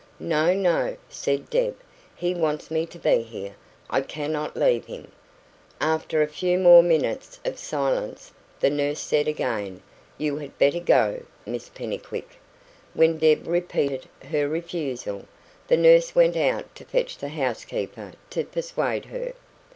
"No, no," said Deb. "He wants me to be here. I cannot leave him." After a few more minutes of silence, the nurse said again: "You had better go, Miss Pennycuick." When Deb repeated her refusal, the nurse went out to fetch the housekeeper to persuade her.